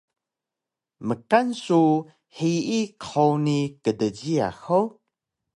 Mkan su hiyi qhuni kdjiyax hug?